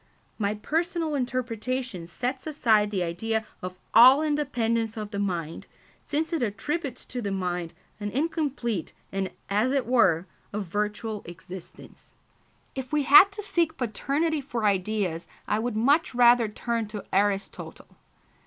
My personal interpretation sets aside the idea of all independence of the mind, since it attributes to the mind an incomplete and, as it were, a virtual existence. If we had to seek paternity for ideas I would much rather turn to Aristotle.